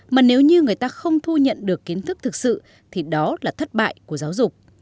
mà nếu như người ta không thu nhận được kiến thức thực sự thì đó là thất bại của giáo dục